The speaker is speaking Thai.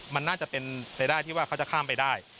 มันน่าจะเป็นไปได้ที่ว่าเขาจะข้ามไปได้